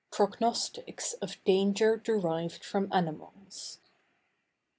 PROGNOSTICS OF DANGER DERIVED FROM ANIMALS.